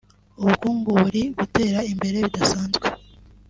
ubukungu buri gutera imbere bidasanzwe